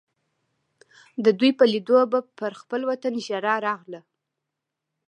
د دوی په لیدو به پر خپل وطن ژړا راغله.